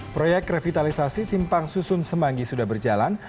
proyek revitalisasi simpang susun semanggi sudah berjalan